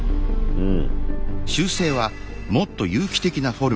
うん。